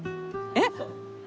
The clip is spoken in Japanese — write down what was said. えっ！？